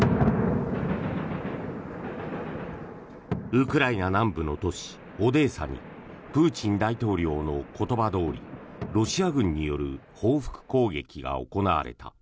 ウクライナ南部の都市オデーサにプーチン大統領の言葉どおりロシア軍による報復攻撃が行われた。